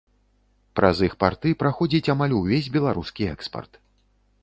Праз іх парты праходзіць амаль увесь беларускі экспарт.